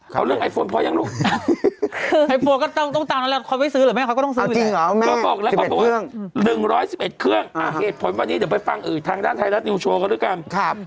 ๑๑๑เครื่อง๑๑๑เครื่องเหตุผลวันนี้เดี๋ยวไปฟังอื่นทางด้านไทยรัฐนิวโชว์ก็ด้วยกัน